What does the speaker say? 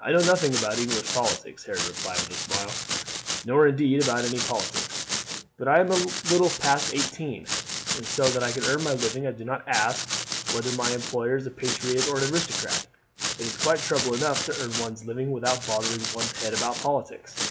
"I know nothing about English politics," Harry replied with a smile; "nor indeed about any politics. I am but little past eighteen, and so that I can earn my living I do not ask whether my employer is a patriot or an aristocrat. It is quite trouble enough to earn one's living without bothering one's head about politics.